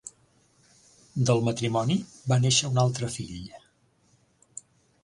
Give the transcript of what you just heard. Del matrimoni va néixer un altre fill.